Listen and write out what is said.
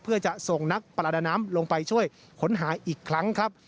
เพื่อจะส่งนักประดาน้ำลงไปช่วยค้นหาอีกครั้งครับ